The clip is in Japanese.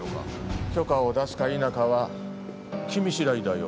許可を出すか否かは君しだいだよ。